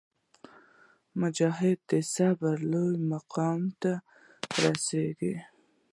مجاهد د صبر لوړ مقام ته رسېږي.